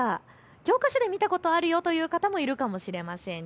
教科書で見たことあるよという方もいるかもしれません。